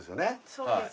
そうです